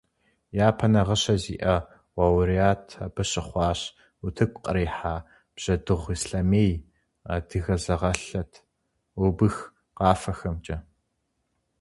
Япэ нагъыщэ зиӏэ лауреат абы щыхъуащ утыку кърихьа «Бжьэдыгъу ислъэмей», «Адыгэ зэгъэлъэт», «Убых» къафэхэмкӏэ.